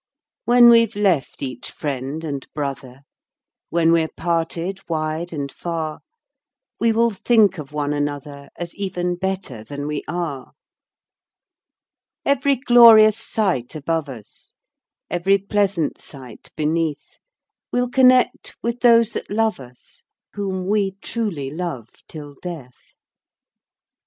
When we've left each friend and brother, When we're parted wide and far, We will think of one another, As even better than we are. Every glorious sight above us, Every pleasant sight beneath, We'll connect with those that love us, Whom we truly love till death!